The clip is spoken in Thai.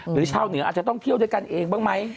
ชาวเหนืออาจจะต้องเที่ยวด้วยกันเองบ้างไหม